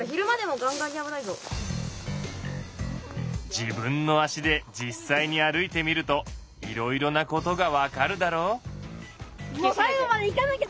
自分の足で実際に歩いてみるといろいろなことが分かるだろう？